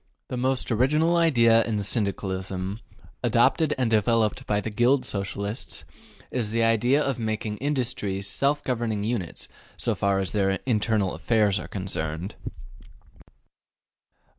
The most original idea in Syndicalism adopted and developed by the Guild Socialists is the idea of making industries self governing units so far as their internal affairs are concerned.